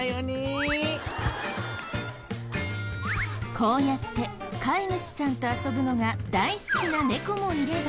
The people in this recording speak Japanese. こうやって飼い主さんと遊ぶのが大好きな猫もいれば。